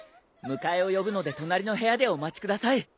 迎えを呼ぶので隣の部屋でお待ちください。